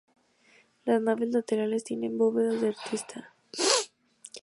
Las naves laterales tienen bóvedas de arista.